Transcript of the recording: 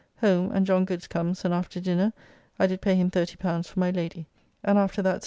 Home, and John Goods comes, and after dinner I did pay him L30 for my Lady, and after that Sir W.